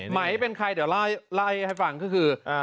ไหมเป็นใครเดี๋ยวไล่ให้ฟังก็คือ